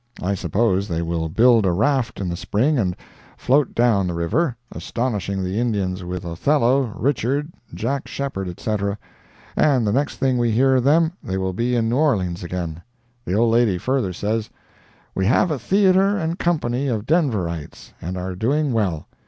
I suppose they will build a raft in the spring and float down the river, astonishing the Indians with Othello, Richard, Jack Sheppard, etc., and the next thing we hear of them they will be in New Orleans again. The old lady further says: "We have a theatre and company of Denverites, and are doing well.